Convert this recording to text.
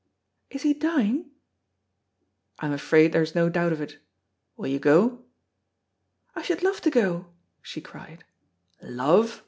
"Is he dying?" "I'm afraid there's no doubt of it. Will you go?" "I should love to go," she cried. "Love!"